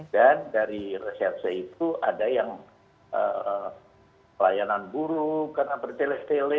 dan dari reserse itu ada yang pelayanan buruk karena bertele tele